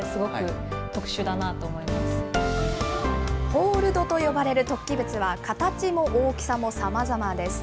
ホールドと呼ばれる突起物は、形も大きさもさまざまです。